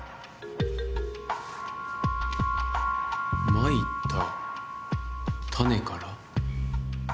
「まいた種から」